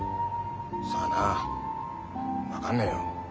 さあな分かんねえよ。